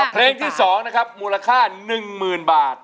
เพลงที่๒นะครับมูลค่า๑๐๐๐บาท